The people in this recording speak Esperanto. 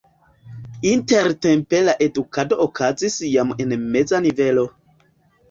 Intertempe la edukado okazis jam en meza nivelo.